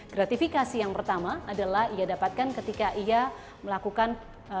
gratifikasi yang pertama adalah ia dapatkan ketika ia melakukan pertemuan di sebuah hotel